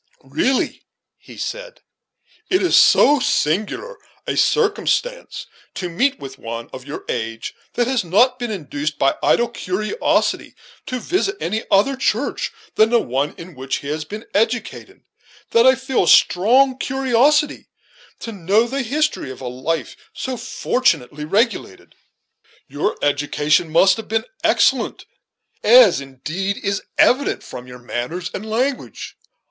"Really," he said, "it is so singular a circumstance to meet with one of your age, that has not been induced by idle curiosity to visit any other church than the one in which he has been educated, that I feel a strong curiosity to know the history of a life so fortunately regulated. Your education must have been excellent; as indeed is evident from your manners and language.